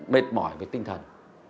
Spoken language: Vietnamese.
mệt mỏi về tinh thần